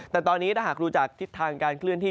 แต่ตอนนี้ถ้าหากดูจากทิศทางการเคลื่อนที่